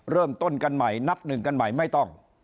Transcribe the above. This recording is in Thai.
เริ่มต้นกันใหม่นับหนึ่งกันใหม่ไม่ต้อง